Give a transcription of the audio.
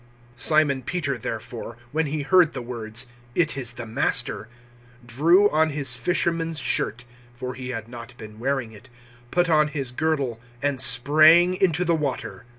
Simon Peter therefore, when he heard the words, "It is the Master," drew on his fisherman's shirt for he had not been wearing it put on his girdle, and sprang into the water.